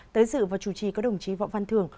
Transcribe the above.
tới dự và chủ trì có đồng chí võ văn thường